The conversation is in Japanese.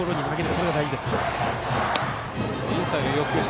これが大事です。